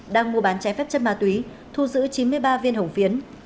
đang mua bán trái phép chất ma túy thu giữ chín mươi ba viên hồng phiến